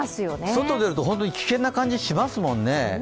外に出ると本当に危険な感じしますもんね。